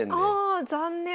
ああ残念。